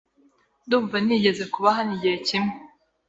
Ndumva nigeze kuba hano igihe kimwe.